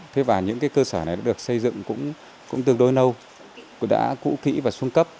thế và những cái cơ sở này được xây dựng cũng tương đối nâu đã cũ khỉ và xuống cấp